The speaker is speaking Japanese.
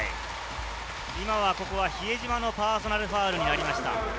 今は比江島のパーソナルファウルになりました。